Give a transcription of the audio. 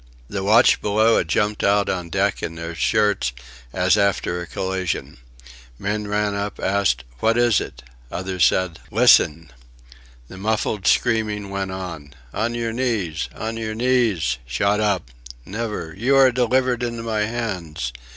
The watch below had jumped out on deck in their shirts, as after a collision. Men running up, asked: "What is it?" Others said: "Listen!" The muffled screaming went on: "On your knees! On your knees!" "Shut up!" "Never! You are delivered into my hands....